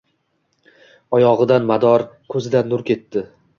Oyog’idan mador, ko’zidan nur ketdi.